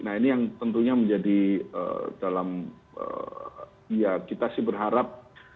nah ini yang tentunya menjadi dalam ya kita sih berharap